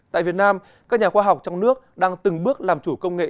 tại việt nam các nhà khoa học trong nước đang từng bước làm chủ công nghệ